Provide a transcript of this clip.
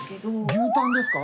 牛タンですか？